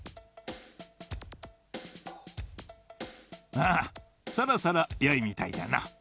ああそろそろよいみたいじゃな。